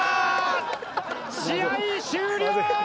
試合終了！